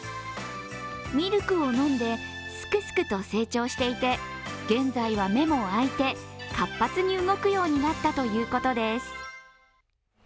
ミルクを飲んですくすくと成長していて現在は目も開いて、活発に動くようになったということです。